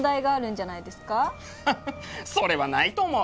ハッハッそれはないと思う。